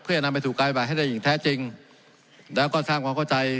เพื่อนำไปสู่การบ่ายให้ได้อย่างแท้จริงแล้วก็สร้างความเข้าใจ